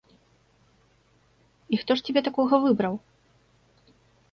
І хто ж цябе такога выбраў?